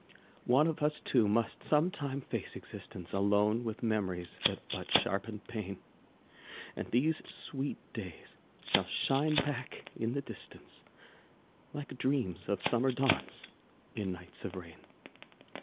One of us two must sometime face existence Alone with memories that but sharpen pain. And these sweet days shall shine back in the distance, Like dreams of summer dawns, in nights of rain.